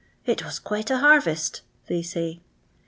"It was quite a harvest," they say.